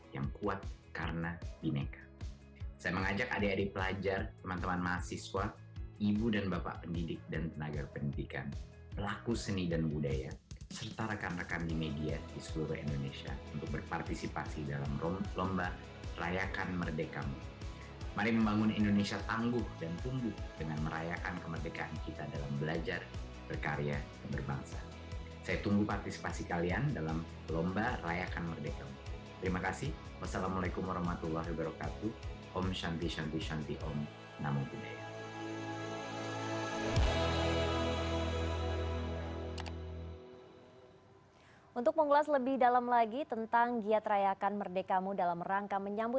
yang mengangkat tema saya akan mebekamu